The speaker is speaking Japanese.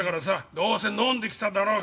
どうせ飲んできただろうがな。